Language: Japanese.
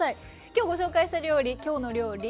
今日ご紹介した料理「きょうの料理」